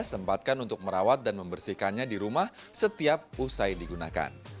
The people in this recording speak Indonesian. sempatkan untuk merawat dan membersihkannya di rumah setiap usai digunakan